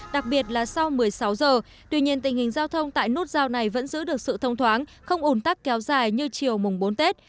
đặc biệt là sau một mươi sáu giờ tuy nhiên tình hình giao thông tại nút giao này vẫn giữ được sự thông thoáng không ủn tắc kéo dài như chiều mùng bốn tết